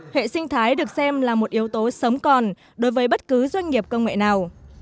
hệ sinh thái được xem là một yếu tố sống còn đối với bất cứ doanh nghiệp công nghệ nào